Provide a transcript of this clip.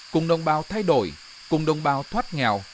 cùng đồng bào thay đổi cùng đồng bào thoát nghèo